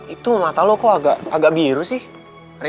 itu mata lo kok agak biru sih